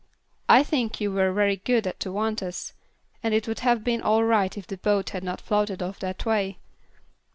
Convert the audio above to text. "I think you were very good to want us; and it would have been all right if the boat had not floated off that way."